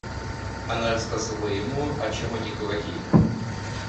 Она рассказала ему, о чем они говорили.